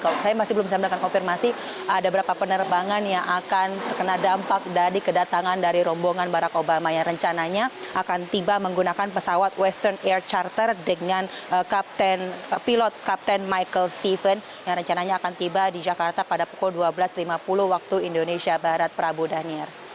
saya masih belum bisa mendapatkan konfirmasi ada berapa penerbangan yang akan terkena dampak dari kedatangan dari rombongan barack obama yang rencananya akan tiba menggunakan pesawat western air charter dengan pilot kapten michael stephen yang rencananya akan tiba di jakarta pada pukul dua belas lima puluh waktu indonesia barat prabu daniar